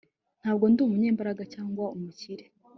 Ntabwo ndi umunyembaraga cyangwa umukire